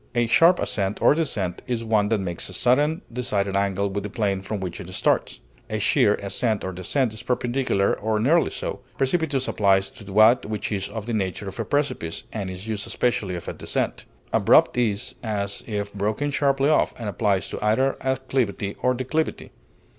A sharp ascent or descent is one that makes a sudden, decided angle with the plane from which it starts; a sheer ascent or descent is perpendicular, or nearly so; precipitous applies to that which is of the nature of a precipice, and is used especially of a descent; abrupt is as if broken sharply off, and applies to either acclivity or declivity.